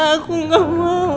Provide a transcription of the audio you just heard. aku gak mau